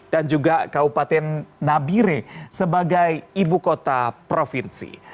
dan juga kabupaten nabire sebagai ibu kota provinsi